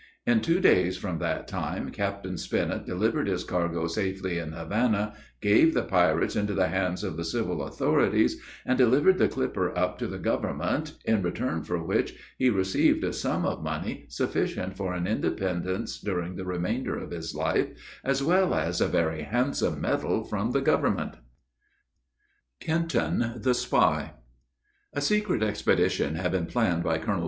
In two days from that time, Captain Spinnet delivered his cargo safely in Havana, gave the pirates into the hands of the civil authorities, and delivered the clipper up to the government, in return for which, he received a sum of money sufficient for an independence during the remainder of his life, as well as a very handsome medal from the government. KENTON THE SPY. A secret expedition had been planned by Col.